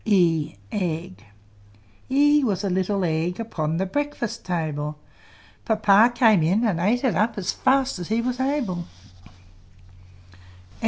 E E was a little Egg, Upon the breakfast table; Papa came in and ate it up As fast as he was able.